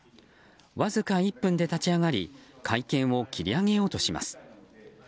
わずか１分で立ち上がり会見を切り上げようとします。